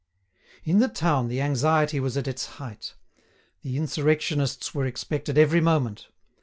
In the town the anxiety was at its height. The insurrectionists were expected every moment.